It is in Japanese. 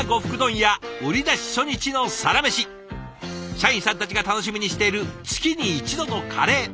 社員さんたちが楽しみにしている月に一度のカレー。